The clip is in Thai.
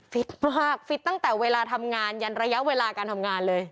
ฟิตมากฟิตตั้งแต่เวลาทำงานยันระยะเวลาการทำงานเลย